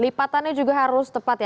lipatannya juga harus tepat ya